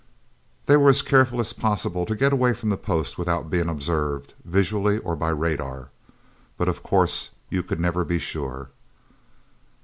They were as careful as possible to get away from the post without being observed, visually or by radar. But of course you could never be sure.